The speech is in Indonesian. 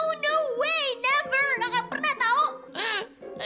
eww no way never gak pernah tau